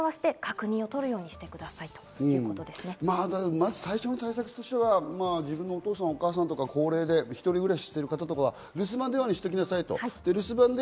まず最初の対策としてはお父さん、お母さん、高齢で一人暮らししている方は留守番電話にしておきなさいと。